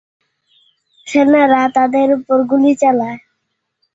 সেনারা তাদের উপর গুলি চালায়।